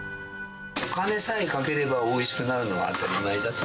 お金さえかければ、おいしくなるのは当たり前だと。